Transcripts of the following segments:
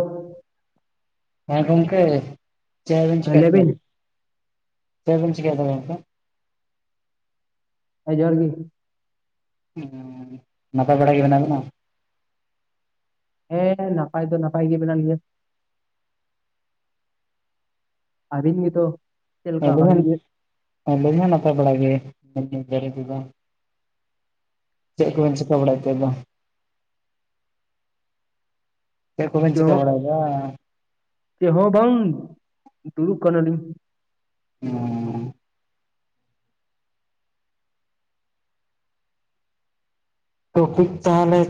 ᱚ [unintelligible] ᱦᱮᱸ ᱜᱚᱢᱠᱮ ᱪᱮ ᱵᱤᱱ ᱦᱮᱸ ᱪᱤᱠᱟᱭᱮᱫ ᱞᱟᱹᱭ ᱛᱟᱦᱮᱱ ᱪᱮᱫ ᱵᱤᱱ ᱪᱤᱠᱟᱹᱭ ᱫᱟ ᱜᱚᱢᱠᱮ᱾ ᱦᱮᱸ ᱡᱚᱦᱟᱨ ᱜᱤ᱾ ᱟᱺ.. ᱱᱟᱯᱟᱭ ᱵᱟᱲᱟ ᱜᱮ ᱢᱮᱱᱟᱜ ᱵᱤᱱᱟ᱾ ᱦᱮᱸ ᱱᱟᱯᱟᱭ ᱫᱚ ᱱᱟᱯᱟᱭ ᱜᱮ ᱢᱮᱱᱟᱜ ᱞᱤᱧᱟᱹ᱾ ᱟᱹᱵᱤᱱ ᱜᱮ ᱛᱚ᱾ ᱪᱮᱫ ᱞᱮᱠᱟ ᱟᱹᱰᱤ ᱵᱷᱟᱜᱤ ᱜᱟᱱ ᱟᱹᱰᱤ ᱜᱮ ᱱᱟᱯᱟᱭ ᱵᱟᱰᱟ ᱜᱮ [unintelligible] ᱪᱮᱫ ᱠᱚᱵᱤᱱ ᱪᱤᱠᱟᱹ ᱵᱟᱲᱟᱭ ᱛᱮᱦᱮᱱ ᱫᱚ [inaudible] ᱪᱮᱫ ᱠᱚ ᱵᱤᱱᱧ ᱪᱮᱠᱟ ᱵᱟᱲᱟᱭ ᱫᱟ ᱪᱮᱦᱚᱸ ᱵᱟᱝ ᱫᱩᱲᱩᱵ ᱠᱟᱱᱟᱞᱤᱧ ᱚᱻ ᱛᱚ ᱯᱤᱠ ᱛᱟᱦᱮᱞᱮ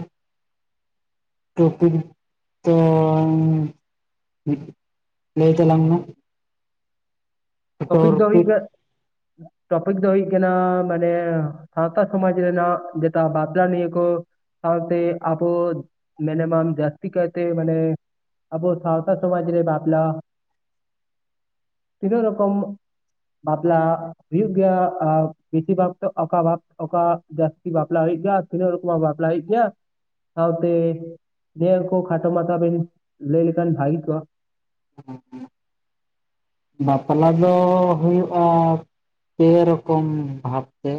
ᱴᱳᱯᱤᱠ ᱛᱚ ᱞᱟᱹᱭ ᱛᱟᱞᱟᱝ ᱢᱮ ᱴᱚᱯᱤᱠ ᱫᱚ ᱴᱚᱨᱯᱤᱠ ᱦᱩᱭᱩᱜ-ᱟ.. [inaudible] ᱴᱚᱯᱤᱠ ᱫᱚ ᱦᱩᱭᱩᱜ ᱠᱟᱱᱟ ᱢᱟᱱᱮ ᱥᱟᱶᱛᱟ ᱥᱚᱢᱟᱡᱽ ᱨᱮᱱᱟᱜ ᱡᱮᱴᱟ ᱵᱟᱯᱞᱟ ᱱᱤᱭᱟᱹ ᱠᱩ ᱥᱟᱶᱛᱮ ᱟᱵᱚ ᱢᱤᱱᱤᱢᱟᱢ ᱡᱟᱹᱥᱛᱤ ᱠᱟᱭᱛᱮ ᱢᱟᱱᱮ ᱟᱵᱚ ᱥᱟᱶᱛᱟ ᱥᱚᱢᱟᱡᱽ ᱨᱮ ᱵᱟᱯᱞᱟ ᱛᱤᱱᱟᱹᱜ ᱨᱚᱠᱚᱢ? ᱵᱟᱯᱞᱟ ᱦᱩᱭᱩᱜ ᱜᱮᱭᱟ ᱟᱨ ᱵᱮᱥᱤᱨ ᱵᱷᱟᱜ ᱚᱠᱟ ᱵᱷᱟᱵ ᱚᱠᱟ ᱡᱟᱹᱥᱛᱤ ᱵᱟᱯᱞᱟ ᱦᱩᱭ ᱜᱮᱭᱟ ᱛᱤᱱᱟᱹᱜ ᱨᱚᱠᱚᱢ ᱢᱟ ᱵᱟᱯᱞᱟ ᱦᱩᱭᱩᱜ ᱜᱮᱭᱟ ᱾ ᱥᱟᱶᱛᱮ ᱱᱤᱭᱟᱹ ᱠᱚ ᱠᱷᱟᱴᱚ ᱢᱟᱛᱷᱟ ᱵᱮᱱ ᱞᱟᱹᱭ ᱞᱮᱠᱷᱟᱱ ᱵᱷᱟᱜᱤ ᱠᱚᱜᱼᱟ [inaudible] ᱵᱟᱯᱞᱟ ᱫᱚ ᱦᱩᱭᱩᱜᱼᱟ ᱾ ᱯᱮ ᱨᱚᱠᱚᱢ ᱵᱷᱟᱵ ᱛᱮ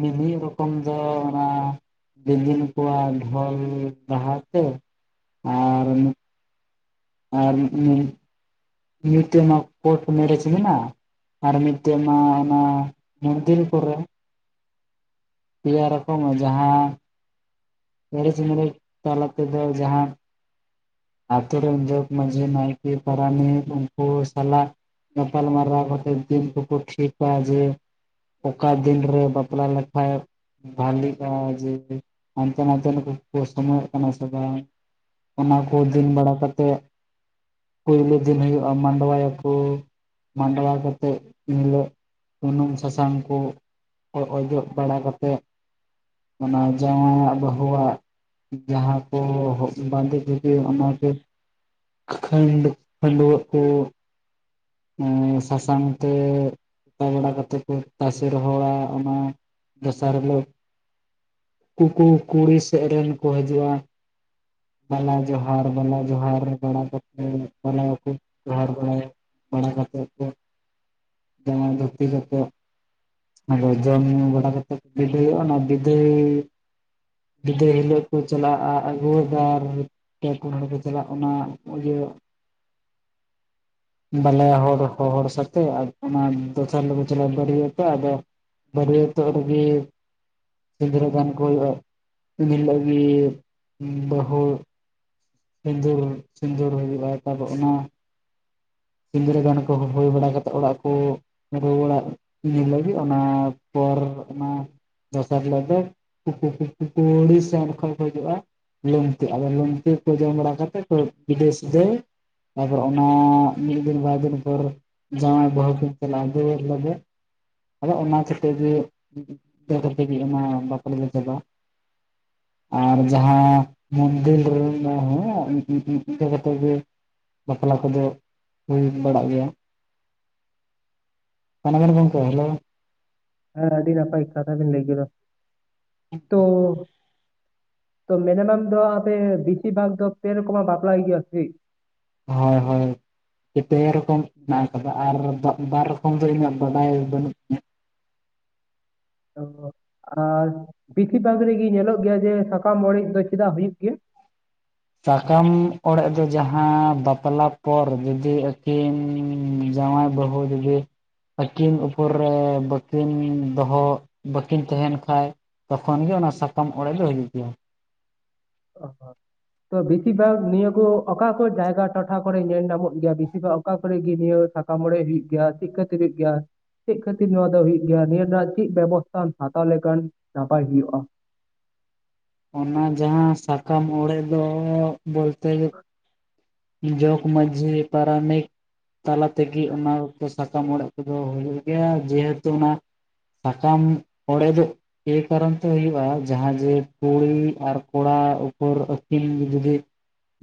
ᱢᱤᱢᱤᱫ ᱨᱚᱠᱚᱢ ᱫᱚ ᱚᱱᱟ ᱾ ᱫᱤᱫᱤᱱ ᱠᱩᱣᱟᱜ ᱰᱷᱚᱞ ᱰᱟᱦᱟᱨ ᱛᱮ ᱟᱨ ᱟᱨ ᱢᱤᱫᱴᱮᱡ ᱢᱟ ᱠᱳᱴ ᱢᱮᱨᱮᱡᱽ ᱢᱮᱱᱟᱜ ᱟᱨ ᱢᱤᱫᱴᱮᱡ ᱢᱟ ᱚᱱᱟ ᱢᱚᱱᱫᱤᱨ ᱠᱚᱨᱮ ᱾ ᱯᱮᱭᱟ ᱨᱚᱠᱚᱢᱟ ᱡᱟᱦᱟᱸᱻ ᱮᱨᱮᱡ ᱢᱮᱨᱮᱡᱽ ᱛᱟᱞᱟ ᱛᱮ ᱫᱚ ᱡᱟᱦᱟᱸ ᱟᱹᱛᱳ ᱨᱮᱱ ᱡᱚᱜᱽ ᱢᱟᱸᱡᱷᱤ ᱱᱟᱭᱠᱮ ᱯᱟᱨᱟᱱᱤᱠ ᱩᱱᱠᱩ ᱥᱟᱞᱟᱜ ᱜᱟᱯᱟᱞ ᱢᱟᱨᱟᱣ ᱠᱟᱛᱮ ᱫᱤᱱ ᱠᱚᱠᱚ ᱴᱷᱤᱠᱟ ᱡᱮ ᱚᱠᱟ ᱫᱤᱱ ᱨᱮ ᱵᱟᱯᱞᱟ ᱞᱮᱠᱷᱟᱡ ᱵᱷᱟᱞᱤᱜᱼᱟ ᱡᱮ ᱦᱟᱱᱛᱮ ᱱᱟᱛᱮ ᱱᱩᱠᱩ ᱥᱚᱢᱚᱭᱚᱜ ᱠᱟᱱᱟ ᱥᱮ ᱵᱟᱝ? ᱚᱱᱟ ᱠᱚ ᱫᱤᱱ ᱵᱟᱲᱟ ᱠᱟᱛᱮᱫ ᱯᱳᱭᱞᱳ ᱫᱤᱱ ᱦᱩᱭᱩᱜᱼᱟ ᱢᱟᱰᱶᱟ ᱭᱟᱠᱚ ᱾ ᱢᱟᱰᱶᱟ ᱠᱟᱛᱮᱜ ᱤᱱ ᱦᱤᱞᱚᱜ ᱩᱱᱩᱢ ᱥᱟᱥᱟᱝ ᱠᱚ ᱠᱚ ᱚᱡᱚᱜ ᱵᱟᱲᱟ ᱠᱟᱛᱮᱫ ᱾ ᱚᱱᱟ ᱡᱟᱶᱟᱭᱟᱜ ᱵᱟᱹᱦᱩᱣᱟᱜ ᱡᱟᱦᱟᱸ ᱠᱚ [unintelligible] ᱵᱟᱸᱫᱮ ᱚᱱᱟ ᱜᱮ ᱠᱷᱟᱹᱱᱰ ᱠᱷᱟᱹᱱᱰᱣᱟᱹᱜ ᱠᱳᱻ ᱥᱟᱥᱟᱝ ᱛᱮ [unintelligible] ᱠᱟᱛᱮ ᱠᱚ ᱛᱟᱥᱮ ᱨᱚᱦᱚᱲᱟ ᱚᱱᱟ ᱫᱚᱥᱟᱨ ᱦᱤᱞᱳᱜ ᱠᱩᱠᱩ ᱠᱩᱲᱤ ᱥᱮᱜ ᱨᱮᱱ ᱠᱚ ᱦᱤᱡᱩᱜᱼᱟ ᱾ ᱵᱟᱞᱟ ᱡᱚᱦᱟᱨ ᱵᱟᱞᱟ ᱡᱚᱦᱟᱨ ᱵᱟᱲᱟ ᱠᱟᱛᱮ ᱵᱟᱞᱟᱭᱮ ᱠᱩ ᱡᱚᱦᱟᱨ ᱵᱟᱲᱟᱭᱟ ᱾ ᱵᱟᱲᱟ ᱠᱟᱛᱮᱜ ᱠᱚ ᱡᱟᱣᱟᱭ ᱫᱷᱩᱛᱤ ᱠᱟᱛᱮᱜ ᱟᱫᱚ ᱡᱚᱢ ᱧᱩ ᱵᱟᱲᱟ ᱠᱟᱛᱮᱫ ᱠᱚ ᱵᱤᱫᱟᱹᱭᱚᱜᱼᱟ ᱚᱱᱟ ᱵᱤᱫᱟᱹᱭᱻ ᱵᱤᱫᱟᱹᱭ ᱦᱤᱞᱳᱜ ᱠᱚ ᱪᱟᱞᱟᱜᱼᱟ ᱟᱹᱜᱩ ᱫᱚ ᱟᱨ ᱯᱮ ᱯᱩᱱ ᱦᱚᱲ ᱠᱚ ᱪᱟᱞᱟᱜ ᱚᱱᱟ ᱤᱭᱟᱹ ᱵᱟᱞᱟᱭᱟ ᱦᱚᱲ ᱦᱚᱲ ᱥᱟᱛᱮᱜ ᱚᱱᱟ ᱫᱚᱥᱟᱨ ᱦᱤᱞᱚᱜ ᱠᱚ ᱪᱟᱞᱟᱜ ᱵᱟᱹᱨᱭᱟᱹᱛ ᱟᱫᱚ ᱵᱟᱹᱨᱭᱟᱹᱛᱚᱜ ᱨᱤᱜᱤ ᱥᱤᱸᱫᱽᱨᱟ ᱫᱟᱱ ᱠᱚ ᱩᱱ ᱦᱤᱞᱚᱜ ᱜᱤ ᱵᱟᱹᱦᱩ ᱥᱤᱸᱫᱩᱨ ᱥᱤᱸᱫᱩᱨ ᱦᱩᱭᱩᱜᱼᱟ ᱛᱟᱨᱯᱚᱨ ᱚᱱᱟ ᱥᱤᱸᱫᱽᱨᱟᱹ ᱫᱟᱱ ᱠᱚ ᱦᱳᱭ ᱵᱟᱲᱟ ᱠᱟᱛᱮᱫ ᱚᱲᱟᱜ ᱠᱩ ᱨᱩᱣᱟᱹᱲᱟᱜ [unintelligible] ᱞᱟᱹᱜᱤᱫ ᱚᱱᱟ ᱯᱚᱨ ᱚᱱᱟ ᱫᱚᱥᱟᱨ ᱦᱤᱞᱚᱜ ᱫᱚ ᱠᱩᱠᱩ ᱠᱩᱲᱤ ᱥᱮᱱ ᱠᱷᱚᱡ ᱠᱚ ᱦᱤᱡᱩᱜᱼᱟ ᱾ ᱞᱩᱝᱛᱤ ᱟᱫᱚ ᱞᱩᱝᱛᱤ ᱠᱚ ᱡᱚᱢ ᱵᱟᱲᱟ ᱠᱟᱛᱮᱫ ᱠᱚ [unintelligible] ᱛᱟᱯᱚᱨᱮ ᱚᱱᱟ ᱢᱤᱫ ᱫᱤᱱ ᱵᱟᱨ ᱫᱤᱱ ᱯᱚᱨ ᱡᱟᱶᱟᱭ ᱵᱟᱹᱦᱩ ᱠᱤᱱ ᱪᱟᱞᱟᱜᱼᱟ [unintelligible] ᱟᱫᱚ ᱚᱱᱟ ᱠᱚᱛᱮ ᱜᱮ [unintelligible] ᱚᱱᱟ ᱵᱟᱯᱞᱟ ᱫᱚ ᱪᱟᱵᱟᱜᱼᱟ᱾ ᱟᱨ ᱡᱟᱦᱟᱸ ᱢᱚᱱᱫᱤᱨ ᱨᱮ ᱦᱮᱸ ᱤᱱᱠᱟᱹ ᱠᱟᱛᱮᱫ ᱜᱮ ᱵᱟᱯᱞᱟ ᱠᱚ ᱫᱚ ᱦᱩᱭ ᱵᱟᱲᱟᱜ ᱜᱮᱭᱟ ᱚᱠᱟᱭ ᱱᱟᱵᱮᱱ ᱜᱚᱝᱠᱮ ᱦᱮᱞᱳ ᱦᱮᱸ ᱟᱹᱰᱤ ᱫ ᱱᱟᱯᱟᱭ ᱠᱟᱛᱷᱟ ᱵᱤᱱ ᱞᱟᱹᱭ ᱠᱮᱫᱟ ᱛᱚ ᱛᱚ ᱢᱮᱱᱮᱢᱟᱢ ᱫᱚ ᱟᱯᱮ ᱵᱮᱥᱤᱨ ᱵᱷᱟᱜᱽ ᱫᱚ ᱯᱮ ᱨᱚᱠᱚᱢᱟᱜ ᱵᱟᱯᱞᱟ ᱦᱩᱭᱩᱜ ᱜᱮᱭᱟ ᱥᱮ ᱪᱮᱫ? ᱦᱚᱭ ᱦᱚᱭ ᱯᱮ ᱨᱚᱠᱚᱢ ᱦᱮᱱᱟᱜ ᱟᱠᱟᱫᱟ ᱟᱨ ᱵᱟᱨ ᱨᱚᱠᱚᱢ ᱫᱚ ᱤᱧᱟᱹᱜ ᱵᱟᱰᱟᱭ ᱵᱟᱹᱱᱩᱜ ᱛᱤᱧᱟ ᱾ ᱚ ᱟᱨ ᱵᱤᱥᱤᱨ ᱵᱷᱟᱜᱽ ᱨᱤᱜᱤ ᱧᱮᱞᱚᱜ ᱜᱮᱭᱟ ᱡᱮ ᱥᱟᱠᱟᱢ ᱚᱲᱮᱡ ᱫᱚ ᱪᱮᱫᱟᱜ ᱦᱩᱭᱩᱜ ᱜᱮᱭᱟ? ᱥᱟᱠᱟᱢ ᱚᱲᱟᱜ ᱫᱚ ᱡᱟᱦᱟᱸ ᱵᱟᱯᱞᱟ ᱯᱚᱨ ᱡᱩᱫᱤ ᱟᱹᱠᱤᱱ ᱡᱟᱶᱟᱭ ᱵᱟᱹᱦᱩ ᱡᱩᱫᱤ ᱟᱹᱠᱤᱱ ᱩᱯᱚᱨ ᱨᱮ ᱵᱟᱹᱠᱤᱱ ᱫᱚᱦᱚ ᱵᱟᱹᱠᱤᱱ ᱛᱟᱦᱮᱱ ᱠᱷᱟᱡ ᱛᱚᱠᱷᱚᱱ ᱜᱮ ᱚᱱᱟ ᱥᱟᱠᱟᱢ ᱚᱲᱮᱡ ᱫᱚ ᱦᱩᱭᱩᱜ ᱜᱮᱭᱟ ᱾ [inaudible] ᱛᱚ ᱵᱤᱥᱤᱨ ᱵᱷᱟᱜᱽ ᱱᱤᱭᱟᱹ ᱠᱚ ᱚᱠᱟ ᱠᱚ ᱡᱟᱭᱜᱟ ᱴᱚᱴᱷᱟ ᱠᱚᱨᱮ ᱧᱮᱞ ᱧᱟᱢᱚᱜ ᱜᱮᱭᱟ ᱵᱤᱥᱤᱨ ᱵᱷᱟᱜ ᱚᱠᱟ ᱠᱚᱨᱮ ᱜᱮ ᱱᱤᱭᱟᱹ ᱥᱟᱠᱟᱢ ᱚᱲᱮᱡ ᱦᱩᱭᱩᱜ ᱜᱮᱭᱟ ᱪᱤᱠᱟᱹᱛᱮ ᱦᱩᱭᱩᱜ ᱜᱮᱭᱟ? ᱪᱮᱫ ᱠᱷᱟᱹᱛᱤᱨ ᱱᱚᱣᱟ ᱫᱚ ᱦᱳᱭᱳᱜ ᱜᱮᱭᱟ ᱱᱤᱭᱟᱹ ᱨᱮᱱᱟᱜ ᱪᱮᱫ ᱵᱮᱵᱚᱥᱛᱷᱟᱢ ᱦᱟᱛᱟᱣ ᱞᱮᱠᱷᱟᱱ ᱱᱟᱯᱟᱭ ᱦᱩᱭᱩᱜᱼᱟ ᱚᱱᱟ ᱡᱟᱦᱟᱸ ᱥᱟᱠᱟᱢ ᱚᱲᱮᱡ ᱫᱚ ᱵᱚᱞᱛᱮ [inaudible] ᱡᱚᱜᱽ ᱢᱟᱺᱡᱷᱤ ᱯᱟᱨᱟᱱᱤᱠ ᱛᱟᱞᱟ ᱛᱮᱜᱮ ᱚᱱᱟ ᱥᱟᱠᱟᱢ ᱚᱲᱮᱡᱽ ᱠᱚᱫᱚ ᱦᱩᱭᱩᱜ ᱜᱮᱭᱟ ᱡᱮᱦᱮᱛᱩ ᱚᱱᱟ ᱥᱟᱠᱟᱢ ᱚᱲᱮᱡᱮᱫ ᱮᱭ ᱠᱟᱨᱚᱱ ᱛᱮ ᱦᱩᱭᱩᱜᱼᱟ ᱡᱟᱦᱟᱸ ᱡᱮ ᱠᱩᱲᱤ ᱟᱨ ᱠᱚᱲᱟ ᱩᱯᱚᱨ ᱟᱹᱠᱤᱱ ᱡᱩᱫᱤ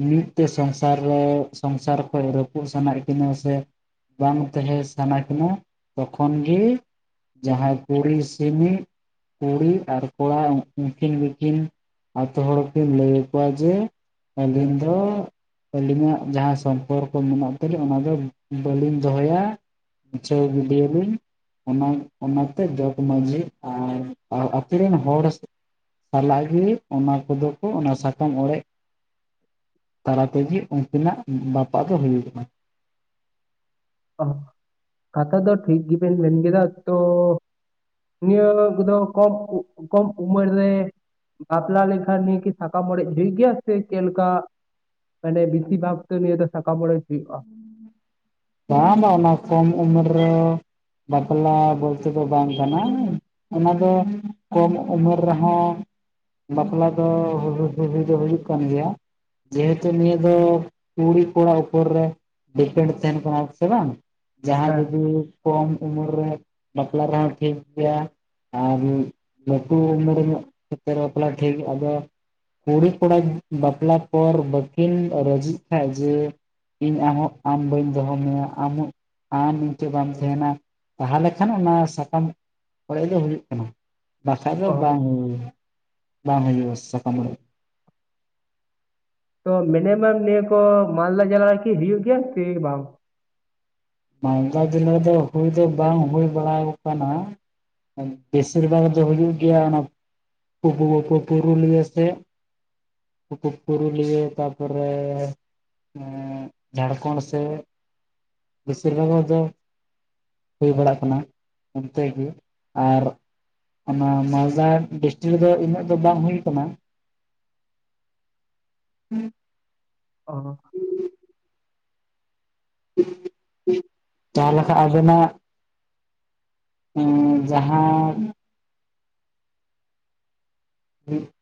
ᱢᱤᱫᱛᱮ ᱥᱚᱝᱥᱟᱨ ᱨᱮ ᱥᱚᱝᱥᱟᱨ ᱠᱷᱚᱡ ᱨᱟᱹᱯᱩᱫ ᱥᱟᱱᱟᱭᱮᱫ ᱠᱤᱱᱟᱹ ᱥᱮ ᱵᱟᱝ ᱛᱟᱦᱮᱸ ᱥᱟᱱᱟ ᱠᱟᱱᱟᱱᱟ ᱛᱚᱠᱷᱚᱱ ᱜᱮ ᱡᱟᱦᱟᱸ ᱠᱩᱲᱤ ᱥᱤᱢᱤ ᱠᱩᱲᱤ ᱟᱨ ᱠᱚᱲᱟ ᱩᱱᱠᱤᱱ ᱫᱚᱠᱤᱱ ᱟᱹᱛᱩ ᱦᱚᱲ ᱠᱤᱱ ᱞᱟᱹᱭ ᱟᱠᱚᱣᱟ ᱡᱮ ᱟᱹᱞᱤᱧ ᱫᱚ ᱟᱹᱞᱤᱧᱟᱜ ᱡᱟᱦᱟᱸ ᱥᱚᱢᱯᱚᱨᱠᱚ ᱢᱮᱱᱟᱜ ᱛᱟᱹᱞᱤᱧ ᱚᱱᱟ ᱫᱚ ᱵᱟᱹᱞᱤᱧ ᱫᱚᱦᱚᱭᱟ ᱢᱩᱪᱷᱟᱹᱣ ᱜᱤᱰᱤᱭᱟ ᱞᱤᱧ ᱚᱱᱟ ᱚᱱᱟᱛᱮ ᱡᱚᱜᱽ ᱢᱟᱡᱷᱤ ᱟᱨ ᱟᱹᱛᱩ ᱨᱮᱱ ᱦᱚᱲ ᱥᱟᱞᱟᱜ ᱜᱮ ᱚᱱᱟ ᱠᱚᱫᱚ ᱠᱚ ᱚᱱᱟ ᱥᱟᱠᱟᱢ ᱚᱲᱮᱡ ᱛᱟᱞᱟ ᱛᱮᱜᱮ ᱩᱱᱠᱤᱱᱟᱜ ᱵᱟᱯᱟᱜ ᱫᱚ ᱦᱩᱭᱩᱜ ᱠᱟᱱᱟ ᱚ ᱠᱟᱛᱷᱟ ᱫᱚ ᱴᱷᱤᱠ ᱜᱮᱵᱮᱱ ᱢᱮᱱ ᱠᱮᱫᱟ ᱛᱚ ᱱᱤᱭᱟᱹ ᱠᱚᱫᱚ ᱠᱚᱢ ᱠᱚᱢ ᱩᱢᱮᱨ ᱨᱮ ᱵᱟᱯᱞᱟ ᱞᱮᱱᱠᱷᱟ ᱱᱤᱭᱟ. ᱠᱤ ᱥᱟᱠᱟᱢ ᱚᱲᱮᱡᱽ ᱦᱩᱭ ᱜᱮᱭᱟ ᱥᱮ ᱪᱮᱫ ᱞᱮᱠᱟ ᱢᱟᱱᱮ ᱵᱮᱥᱤ ᱵᱷᱟᱠ ᱛᱮ ᱱᱤᱭᱟᱹ ᱫᱚ ᱥᱟᱠᱟᱢ ᱚᱲᱮᱡᱽ ᱦᱩᱭᱩᱜᱼᱟ ᱵᱟᱝ ᱵᱟᱝ ᱚᱱᱟ ᱠᱚᱢ ᱩᱢᱮᱨ ᱨᱮ ᱵᱟᱯᱞᱟ ᱵᱚᱞᱛᱮ ᱫᱚ ᱵᱟᱝ ᱠᱟᱱᱟ ᱚᱱᱟ ᱫᱚ ᱠᱚᱢ ᱩᱢᱮᱨ ᱨᱮᱦᱚᱸ ᱵᱟᱯᱞᱟ ᱫᱚ ᱦᱩ ᱦᱩᱭ ᱫᱚ ᱦᱩᱭᱩᱜ ᱠᱟᱱ ᱜᱮᱭᱟ ᱡᱮᱦᱮᱛᱩ ᱱᱤᱭᱟᱹ ᱫᱚ ᱠᱩᱲᱤ ᱠᱚᱲᱟ ᱩᱯᱚᱨ ᱨᱮ ᱰᱤᱯᱮᱱᱰ ᱛᱟᱦᱮᱱ ᱠᱚᱱᱟ ᱥᱮ ᱵᱟᱝ ᱡᱟᱦᱟᱸ ᱦᱮᱸ ᱡᱩᱫᱤ ᱠᱚᱢ ᱩᱢᱮᱨ ᱨᱮ ᱵᱟᱯᱞᱟ ᱨᱮᱦᱚᱸ ᱴᱷᱤᱠ ᱜᱮᱭᱟ ᱟᱨ ᱞᱟᱹᱴᱩ ᱩᱢᱮᱨ ᱧᱚᱜ ᱠᱟᱛᱮ ᱵᱟᱯᱞᱟ ᱴᱷᱤᱠ ᱟᱫᱚ ᱠᱩᱲᱤ ᱠᱚᱲᱟ ᱵᱟᱯᱞᱟ ᱯᱚᱨ ᱵᱟᱠᱤᱱ ᱨᱟᱹᱡᱤᱜ ᱠᱷᱟᱡ ᱡᱮ ᱤᱧ ᱟᱨᱦᱚᱸ ᱟᱢ ᱵᱟᱹᱧ ᱫᱚᱦᱚ ᱢᱮᱭᱟ ᱟᱢ ᱟᱢ ᱤᱧᱴᱷᱮᱱ ᱵᱟᱢ ᱛᱟᱦᱮᱱᱟ ᱛᱟᱦᱚᱞᱮ ᱠᱷᱟᱱ ᱚᱱᱟ ᱥᱟᱠᱟᱢ ᱚᱲᱮᱡ ᱫᱚ ᱦᱩᱭᱩᱜ ᱠᱟᱱᱟ ᱵᱟᱠᱷᱟᱡ ᱫᱚ ᱚ ᱵᱟᱝ ᱵᱟᱝ ᱦᱩᱭᱩᱜᱼᱟ ᱥᱟᱠᱟᱢ ᱚᱲᱮᱡ ᱛᱚ ᱢᱤᱱᱤᱢᱟᱢ ᱱᱤᱭᱟᱹ ᱠᱚ ᱢᱟᱞᱫᱟ ᱡᱮᱞᱟ ᱨᱮᱠᱤ ᱦᱩᱭᱩᱜ ᱜᱮᱭᱟ ᱥᱮ ᱵᱟᱝ ᱢᱟᱞᱫᱟ ᱡᱮᱞᱟ ᱫᱚ ᱦᱩᱭ ᱫᱚ ᱵᱟᱝ ᱦᱩᱭ ᱵᱟᱲᱟᱣ ᱟᱠᱟᱱᱟ ᱵᱮᱥᱤᱨ ᱵᱷᱟᱜᱽ ᱫᱚ ᱦᱩᱭᱩᱜ ᱜᱮᱭᱟ ᱚᱱᱟ ᱯᱩ ᱯᱩ ᱯᱩᱨᱩᱞᱤᱭᱟᱹ ᱥᱮᱫ ᱯᱩ ᱯᱩ ᱯᱩᱨᱩᱞᱤᱭᱟᱹ ᱛᱟᱨᱯᱚᱨᱮ ᱡᱷᱟᱲᱠᱷᱚᱱᱰ ᱥᱮᱫ ᱵᱮᱥᱤᱨ ᱵᱷᱟᱜᱽ ᱫᱚ ᱦᱩᱭ ᱵᱟᱲᱟᱜ ᱠᱟᱱᱟ ᱚᱱᱛᱮ ᱜᱮ ᱟᱨ ᱚᱱᱟ ᱢᱟᱞᱫᱟ ᱰᱤᱥᱴᱤᱠ ᱨᱮᱫᱚ ᱤᱱᱟᱹᱜ ᱫᱚ ᱵᱟᱝ ᱦᱩᱭ ᱠᱟᱱᱟ [inaudible] ᱚ [inaudible] ᱛᱟᱦᱞᱮ ᱠᱷᱟᱱ ᱟᱵᱚᱱᱟᱜ ᱩ ᱡᱟᱦᱟᱸ [inaudible]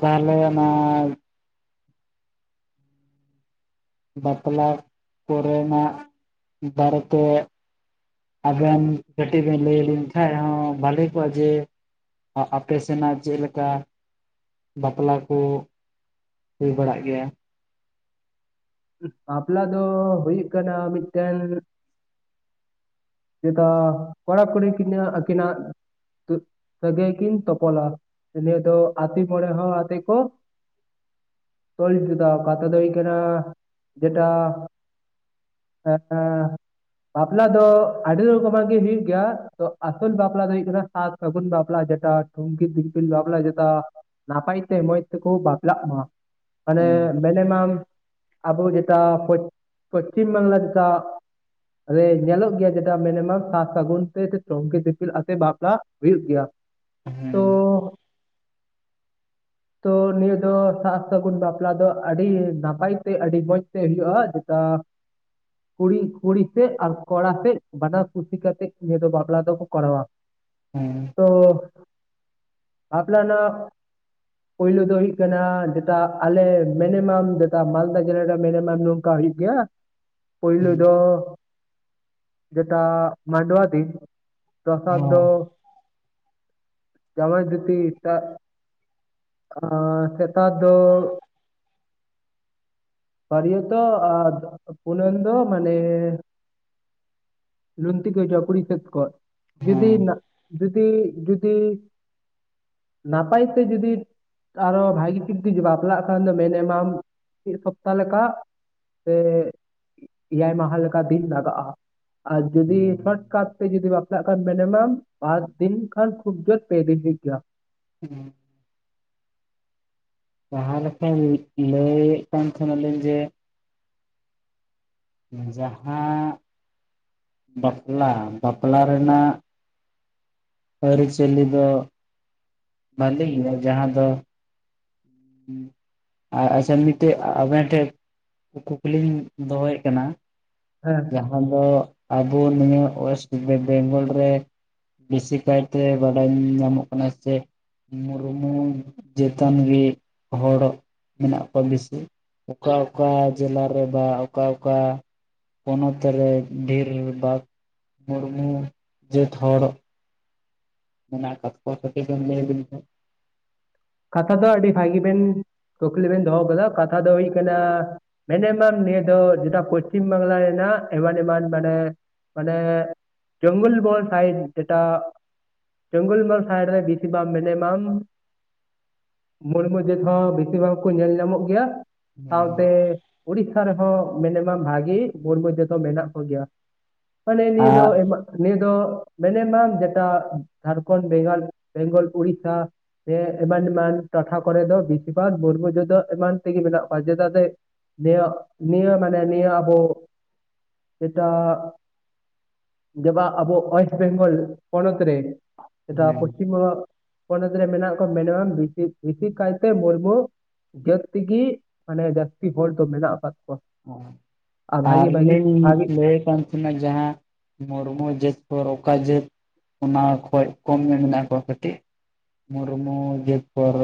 ᱛᱟᱦᱚᱞᱮ ᱱᱚᱜ ᱚᱭ ᱵᱟᱯᱞᱟ ᱠᱚᱨᱮᱱᱟᱜ ᱵᱟᱨᱮ ᱛᱮ ᱟᱵᱮᱱ ᱠᱟᱹᱴᱤᱡ ᱵᱮᱱ ᱞᱟᱹᱭᱞᱤᱧ ᱠᱷᱟᱡ ᱦᱚᱸ ᱵᱷᱟᱞᱮ ᱠᱚᱜᱼᱟ ᱡᱮ᱾ ᱟ ᱟᱯᱮ ᱥᱮᱱᱟᱜ ᱪᱮᱫ ᱞᱮᱠᱟ ᱵᱟᱯᱞᱟ ᱠᱚ ᱦᱩᱭ ᱵᱟᱲᱟᱜ ᱜᱮᱭᱟ ᱵᱟᱯᱞᱟ ᱫᱚ ᱦᱩᱭᱩᱜ ᱠᱟᱱᱟ ᱢᱤᱫᱴᱮᱱ ᱫᱚ ᱠᱚᱲᱟ ᱠᱩᱲᱤ ᱟᱹᱠᱤᱱᱟᱜ ᱥᱟᱹᱜᱟᱹᱭ ᱠᱤᱱ ᱛᱚᱯᱚᱞᱟ ᱤᱱᱟ. ᱫᱚ ᱟᱹᱛᱩ ᱢᱚᱬᱮ ᱦᱚᱲ ᱟᱛᱮ ᱠᱚ ᱛᱚᱞ ᱢᱤᱫᱟ ᱠᱟᱛᱷᱟ ᱫᱚ ᱦᱩᱭᱩᱜ ᱠᱟᱱᱟ ᱡᱮᱴᱟ [inaudible] ᱵᱟᱯᱞᱟ ᱫᱚ᱾ ᱟᱹᱰᱤ ᱨᱚᱠᱚᱢᱟᱜ ᱜᱮ ᱦᱳᱭᱳᱜ ᱜᱮᱭᱟ ᱟᱥᱚᱞ ᱵᱟᱯᱞᱟ ᱫᱚ ᱦᱳᱭᱳᱜ ᱠᱟᱱᱟ ᱥᱟᱨ ᱥᱟᱹᱜᱩᱱ ᱵᱟᱯᱞᱟ ᱡᱮᱴᱟ᱾ ᱴᱩᱝᱠᱤ ᱫᱤᱯᱤᱞ ᱵᱟᱯᱞᱟ ᱡᱮᱴᱟ ᱱᱟᱯᱟᱭ ᱛᱮ ᱢᱚᱸᱡᱽ ᱛᱮᱠᱚ ᱵᱟᱯᱞᱟᱜ ᱢᱟ᱾ ᱢᱟᱱᱮ ᱦᱩᱸ ᱢᱮᱱᱤ ᱟᱢ᱾ ᱟᱵᱚ ᱡᱮᱴᱟ ᱯᱚᱪᱷᱤᱢ ᱵᱟᱝᱞᱟ ᱡᱮᱴᱟ ᱨᱮ ᱧᱮᱞᱚᱜ ᱜᱮᱭᱟ ᱡᱮ᱾ ᱢᱤᱱᱤᱢᱟᱢ ᱥᱟᱨ ᱥᱟᱹᱜᱩᱱ ᱛᱮ ᱴᱩᱝᱠᱤ ᱫᱤᱯᱤᱞ ᱟᱛᱮ ᱵᱟᱯᱞᱟ ᱦᱩᱭᱩᱜ ᱜᱮᱭᱟ᱾ ᱛᱚ ᱦᱩᱸ ᱛᱚ ᱱᱤᱭᱟᱹ ᱫᱚ ᱥᱟᱨ ᱥᱟᱹᱜᱩᱱ ᱵᱟᱯᱞᱟ ᱫᱚ ᱟᱹᱰᱤ ᱱᱟᱯᱟᱭ ᱛᱮ ᱟᱹᱰᱤ ᱢᱚᱸᱡᱽ᱾ ᱦᱩᱭᱩᱜᱼᱟ ᱡᱮᱴᱟ ᱠᱩᱲᱤ ᱠᱩᱲᱤ ᱥᱮᱫ ᱟᱨ ᱠᱚᱲᱟ ᱥᱮᱫ᱾ ᱵᱟᱱᱟᱨ ᱠᱩᱥᱤ ᱠᱟᱛᱮᱜ ᱱᱤᱭᱟᱹ ᱫᱚ ᱵᱟᱯᱞᱟ ᱫᱚᱠᱚ ᱠᱚᱨᱟᱣᱟ [inaudible] ᱦᱮᱸ ᱵᱟᱯᱞᱟ [unintelligible] ᱯᱩᱭᱞᱳ ᱫᱚ ᱦᱩᱭᱩᱜ ᱠᱟᱱᱟ ᱡᱮᱴᱟ ᱟᱞᱮ ᱢᱮᱱᱤᱢᱟᱢ ᱡᱮᱴᱟ ᱢᱟᱞᱫᱟ ᱡᱮᱞᱟ ᱨᱮ ᱢᱮᱱᱤᱢᱟᱢ ᱚᱠᱟ ᱦᱩᱭᱩᱜ ᱜᱮᱭᱟ, ᱯᱳᱭᱞᱳ ᱦᱮᱸ ᱫᱚ ᱡᱮᱴᱟ ᱢᱟᱸᱰᱣᱟ ᱫᱤᱱ ᱫᱚᱥᱟᱨ ᱫᱚ ᱦᱚᱸ ᱡᱟᱣᱭᱟᱭ ᱜᱟ. ᱛᱤ ᱴᱟᱜ ᱟᱨ [unintelligible] ᱫᱚ ᱵᱟᱹᱨᱭᱟᱛᱚᱜ ᱟᱨ [unintelligible] ᱫᱚ ᱢᱟᱱᱮ ᱞᱩᱝᱛᱤ ᱠᱚ ᱦᱤᱡᱩᱜᱼᱟ ᱠᱩᱲᱤ ᱥᱮᱫ ᱠᱷᱚᱡ ᱡᱩᱫᱤ ᱱᱟ ᱡᱩᱫᱤ ᱡᱩᱫᱤ ᱱᱟᱯᱟᱭ ᱛᱮ ᱡᱩᱫᱤ ᱟᱨᱚ ᱵᱷᱟᱜᱤ ᱴᱷᱤᱠ [unintelligible] ᱵᱟᱯᱞᱟᱜ ᱠᱷᱟᱱ ᱫᱚ ᱢᱤᱱᱤᱢᱟᱢ ᱢᱤᱫ ᱥᱚᱯᱛᱟ ᱞᱮᱠᱟ ᱥᱮ ᱮᱭᱟᱭ ᱢᱟᱦᱟ ᱞᱮᱠᱟ ᱫᱤᱱ ᱞᱟᱜᱟᱜᱼᱟ ᱟᱨ ᱡᱩᱫᱤ ᱥᱚᱴᱠᱟᱴ [unintelligible] ᱡᱩᱫᱤ ᱵᱟᱯᱞᱟᱜ ᱠᱷᱟᱱ ᱵᱮᱱ ᱢᱤᱱᱤᱢᱟᱢ ᱵᱟᱨ ᱫᱤᱱ ᱠᱷᱟᱱ ᱠᱷᱩᱵ ᱡᱳᱨ ᱯᱮ ᱫᱤᱱ ᱦᱩᱭᱩᱜ ᱜᱮᱭᱟ [inaudible] ᱛᱟᱦᱟᱞᱮ ᱠᱷᱟᱱ ᱞᱟᱹᱭ ᱮᱫ ᱠᱟᱱ ᱛᱟᱦᱮ ᱱᱟᱞᱤᱧ ᱡᱮ ᱡᱟᱦᱟᱸ ᱵᱟᱯᱞᱟ ᱵᱟᱯᱞᱟ ᱨᱮᱱᱟᱜ ᱟᱹᱨᱤᱪᱟᱹᱞᱤ ᱫᱚ ᱵᱷᱟᱞᱤ ᱜᱮᱭᱟ ᱡᱟᱦᱟᱸ ᱫᱚ ᱟ ᱟᱪᱪᱷᱟ ᱢᱤᱫᱴᱮᱡ ᱟᱵᱮᱱ ᱴᱷᱮᱡ ᱠᱩᱠᱞᱤᱧ ᱫᱚᱦᱚᱭᱮᱫ ᱠᱟᱱᱟ ᱦᱮᱸ ᱡᱟᱦᱟᱸ ᱫᱚ ᱟᱵᱚ ᱱᱤᱭᱟᱹ ᱳᱭᱮᱥᱴ ᱵᱮ-ᱵᱮᱝᱜᱚᱞ ᱨᱮ ᱵᱮᱥᱤ ᱠᱟᱭᱛᱮ ᱵᱟᱰᱟᱭ ᱧᱟᱢᱚᱜ ᱠᱟᱱᱟ ᱪᱮ ᱢᱩᱨᱢᱩ ᱡᱟᱹᱛᱟᱱ ᱜᱮ ᱦᱚᱲ ᱢᱮᱱᱟᱜ ᱠᱚᱣᱟ ᱵᱮᱥᱤ ᱚᱠᱟ ᱚᱠᱟ ᱡᱮᱞᱟ ᱨᱮ ᱵᱟ ᱚᱠᱟ ᱚᱠᱟ ᱠᱟ ᱯᱚᱱᱚᱛ ᱨᱮ ᱰᱷᱮᱨ ᱵᱟᱜ ᱢᱩᱨᱢᱩ ᱡᱟᱹᱛ ᱦᱚᱲ ᱢᱮᱱᱟᱜ ᱠᱟᱜ ᱠᱚᱣᱟ [unintelligible] ᱞᱮᱭ ᱵᱤᱱ ᱥᱮ ᱠᱟᱛᱷᱟ ᱫᱚ ᱟᱹᱰᱤ ᱵᱷᱟᱜᱤ ᱵᱮᱱ ᱠᱩᱠᱞᱤ ᱵᱮᱱ ᱫᱚᱦᱚ ᱠᱟᱫᱟ ᱠᱟᱛᱷᱟ ᱫᱚ ᱦᱩᱭᱩᱜ ᱠᱟᱱᱟ ᱢᱮᱱᱮᱢᱟᱢ ᱱᱤᱭᱟᱹ ᱫᱚ ᱡᱮᱴᱟ ᱯᱚᱥᱪᱷᱤᱢ ᱵᱟᱝᱞᱟ ᱨᱮᱱᱟᱜ ᱮᱢᱟᱱ ᱮᱢᱟᱱ ᱢᱟᱱᱮ ᱢᱟᱱᱮ ᱡᱚᱝᱜᱚᱞ ᱢᱚᱦᱚᱞ ᱥᱟᱭᱤᱰ ᱮᱴᱟᱜ ᱡᱚᱝᱜᱚᱞ ᱢᱚᱦᱚᱞ ᱥᱟᱭᱤᱰ ᱨᱮ ᱵᱤᱥᱤ ᱵᱟᱢ ᱢᱮᱱᱮᱢᱟᱢ ᱢᱩᱨᱢᱩ ᱡᱟᱹᱛ ᱦᱚᱸ ᱵᱮᱥᱤᱨ ᱵᱷᱟᱜᱽ ᱠᱚ ᱧᱮᱞ ᱧᱟᱢᱚᱜ ᱜᱮᱭᱟ ᱥᱟᱶᱛᱮ ᱩᱲᱤᱥᱥᱟ ᱨᱮᱦᱚᱸ ᱢᱮᱱᱮᱢᱟᱢ ᱵᱷᱟᱜᱤ ᱢᱩᱨᱢᱩ ᱡᱟᱹᱛ ᱦᱚᱸ ᱢᱮᱱᱟᱜ ᱠᱚᱜᱮᱭᱟ ᱢᱟᱱᱮ ᱱᱤᱭᱟᱹ ᱫᱚ ᱮᱢᱟ ᱱᱤᱭᱟᱹ ᱫᱚ ᱢᱮᱱᱮᱢᱟᱢ ᱡᱮᱴᱟ ᱡᱷᱟᱲᱠᱷᱚᱱᱰ ᱵᱮᱜᱚᱞ ᱵᱮᱝᱜᱚᱞ ᱩᱲᱤᱥᱟ ᱥᱮᱫ ᱮᱢᱟᱱ ᱮᱢᱟᱱ ᱴᱚᱴᱷᱟ ᱠᱚᱨᱮ ᱫᱚ ᱵᱤᱥᱤ ᱵᱟᱜ ᱢᱩᱨᱢᱩ ᱡᱩᱫᱚ ᱮᱢᱟᱱ ᱛᱮᱜᱮ ᱢᱮᱱᱟᱜ ᱠᱚᱣᱟ ᱪᱮᱫᱟᱜ ᱥᱮ ᱱᱤᱭᱟᱹ ᱱᱤᱭᱟᱹ ᱢᱟᱱᱮ ᱱᱤᱭᱟᱹ ᱟᱵᱚ ᱮᱴᱟᱜ ᱫᱮᱵᱟ ᱟᱵᱚ ᱳᱭᱮᱥᱴ ᱵᱮᱝᱜᱚᱞ ᱯᱚᱱᱚᱛ ᱨᱮ ᱡᱮᱴᱟ ᱦᱮᱸ ᱯᱚᱥᱪᱤᱢ ᱵᱚᱝᱜᱚ ᱯᱚᱱᱚᱛ ᱨᱮ ᱢᱮᱱᱟᱜ ᱠᱚᱣᱟ ᱢᱮᱱᱮᱢᱟᱢ ᱵᱮᱥᱤ ᱵᱤᱥᱤ ᱠᱟᱭᱛᱮ ᱢᱩᱨᱢᱩ ᱡᱟᱹᱛ ᱜᱤ ᱢᱟᱱᱮ ᱡᱟᱹᱥᱛᱤ ᱦᱚᱲ ᱫᱚ ᱢᱮᱱᱟᱜ ᱟᱠᱟᱫ ᱠᱚᱣᱟ ᱟᱨ ᱵᱷᱟᱜᱤ ᱵᱷᱟᱜᱤ ᱞᱤᱧ ᱵᱷᱟᱜᱤ ᱞᱟᱭ ᱠᱟᱱ ᱱᱟ ᱡᱟᱦᱟᱸ ᱢᱩᱨᱢᱩ ᱡᱟᱹᱛ ᱠᱚ ᱨᱚᱠᱟ ᱡᱟᱹᱛ ᱚᱱᱟ ᱠᱷᱚᱡ ᱠᱚᱢ ᱜᱮ ᱢᱮᱱᱟᱜ ᱠᱚᱣᱟ ᱠᱟᱹᱴᱤᱡ ᱢᱩᱨᱢᱩ ᱡᱟᱹᱛ ᱯᱚᱨ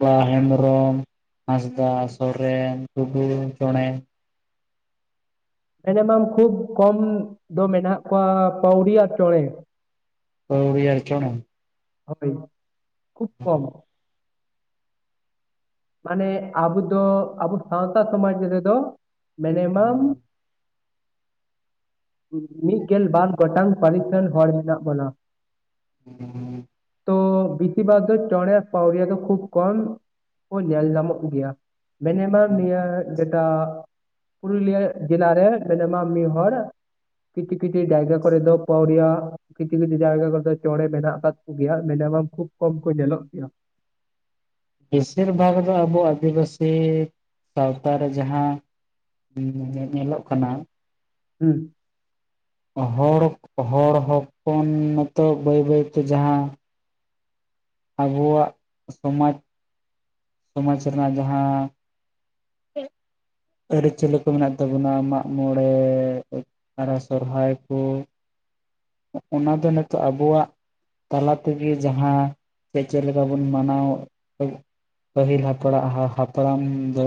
ᱵᱟ ᱦᱮᱢᱵᱨᱚᱢ ᱦᱟᱸᱥᱫᱟ ᱥᱚᱨᱮᱱ ᱴᱩᱰᱩ ᱪᱚᱬᱮ ᱢᱮᱱᱮᱢᱟᱢ ᱠᱷᱩᱵ ᱠᱚᱢ ᱫᱚ ᱢᱮᱱᱟᱜ ᱠᱚᱣᱟ ᱯᱟᱹᱣᱲᱤ ᱟᱨ ᱪᱚᱬᱮ ᱯᱟᱹᱣᱨᱤᱭᱟᱹ ᱟᱨ ᱪᱚᱬᱮ ᱦᱳᱭ ᱠᱷᱩᱵ ᱠᱚᱢ ᱢᱟᱱᱮ ᱟᱵᱚ ᱫᱚ ᱟᱵᱚ ᱥᱟᱶᱛᱟ ᱥᱚᱢᱟᱡ ᱨᱮᱫᱚ ᱢᱮᱱᱮᱢᱟᱢ [inaudible] ᱢᱤᱫ ᱜᱮᱞ ᱵᱟᱨ ᱜᱚᱴᱟᱝ ᱯᱟᱹᱨᱤᱥ ᱟᱱ ᱦᱚᱲ ᱢᱮᱱᱟᱜ ᱵᱚᱱᱟ [inaudible] ᱛᱚ ᱵᱤᱥᱤ ᱵᱷᱟᱜ ᱫᱚ ᱪᱚᱬᱮ ᱯᱟᱣᱲᱤᱭᱟ ᱫᱚ ᱠᱷᱩᱵ ᱠᱚᱢ ᱠᱚ ᱧᱮᱞ ᱧᱟᱢᱚᱜ ᱜᱮᱭᱟ ᱢᱮᱱᱮᱢᱟ ᱱᱤᱭᱟᱹ ᱰᱮᱴᱟ ᱯᱩᱨᱩᱞᱤᱭᱟᱹ ᱡᱮᱞᱟ ᱨᱮ ᱢᱮᱱᱮᱢᱟᱢ ᱢᱤᱫ ᱦᱚᱲ ᱠᱤᱪᱷᱩ ᱠᱤᱪᱷᱩ ᱡᱟᱭᱜᱟ ᱠᱚᱨᱮ ᱫᱚ ᱯᱟᱣᱲᱤᱭᱟ ᱠᱤᱪᱷᱩ ᱠᱤᱪᱷᱩ ᱡᱟᱭᱜᱟ ᱠᱚᱫᱚ ᱪᱚᱬᱮ ᱢᱮᱱᱟᱜ ᱟᱠᱟᱫ ᱠᱚᱜᱮᱭᱟ ᱢᱮᱱᱮ ᱢᱟᱢ ᱠᱷᱩᱵ ᱠᱚᱢ ᱠᱚ ᱧᱮᱞᱚᱜ ᱜᱮᱭᱟ ᱵᱮᱥᱤᱨ ᱵᱷᱟᱜᱽ ᱫᱚ ᱟᱵᱚ ᱟᱹᱫᱤᱵᱟᱹᱥᱤ ᱥᱟᱶᱛᱟ ᱨᱮ ᱡᱟᱦᱟᱸ ᱧᱮᱞᱚᱜ ᱠᱟᱱᱟ ᱦᱩᱸ ᱦᱚᱲ ᱦᱚᱲ ᱦᱚᱯᱚᱱ ᱦᱚᱸ ᱛᱚ ᱵᱟᱹᱭ ᱵᱟᱹᱭᱛᱮ ᱡᱟᱦᱟᱸ ᱟᱵᱚᱣᱟᱜ ᱥᱚᱢᱟᱡᱽ ᱥᱚᱢᱟᱡ ᱨᱮᱱᱟᱜ ᱡᱟᱦᱟᱸ [unintelligible] ᱟᱹᱨᱤᱪᱟᱹᱞᱤ ᱠᱚ ᱢᱮᱱᱟᱜ ᱛᱟᱵᱚᱱᱟ ᱢᱟᱜ ᱢᱚᱬᱮ ᱟᱨᱦᱚᱸ ᱥᱚᱨᱦᱟᱭ ᱠᱚ ᱚᱱᱟ ᱫᱚ ᱱᱤᱛᱚᱜ ᱟᱵᱚᱣᱟᱜ ᱛᱟᱞᱟ ᱛᱮᱜᱮ ᱡᱟᱦᱟᱸ ᱥᱮ ᱪᱮᱫ ᱞᱮᱠᱟ ᱵᱚᱱ ᱢᱟᱱᱟᱣ ᱯᱟᱦᱤᱞ ᱦᱟᱯᱲᱟᱜ ᱦᱟᱯᱲᱟᱢ ᱫᱚ